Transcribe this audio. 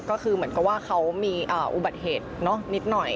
ก็คือเหมือนกับว่าเขามีอุบัติเหตุนิดหน่อย